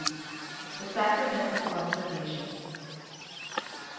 THE SACRAMENT OF CONFIRMATION.